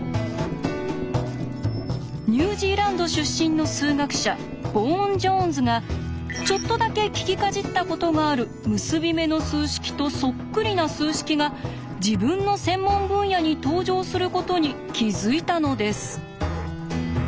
ニュージーランド出身の数学者ヴォーン・ジョーンズがちょっとだけ聞きかじったことがある結び目の数式とそっくりな数式が自分の専門分野に登場することに気付いたのです。